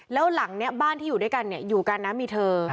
แล้วหลังนี้บ้านที่อยู่ด้วยกันอยู่กันนะมีเธอ